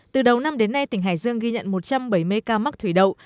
từ đầu năm đến nay tỉnh hải dương ghi nhận một trăm bảy mươi ca mắc thủy đậu